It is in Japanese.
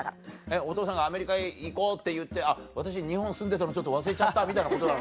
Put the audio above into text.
お父さんがアメリカへ行こうって言って私日本住んでたの忘れちゃったみたいなことなのか。